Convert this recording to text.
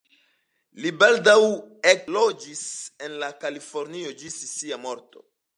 Li baldaŭ ekloĝis en Kalifornio ĝis sia morto.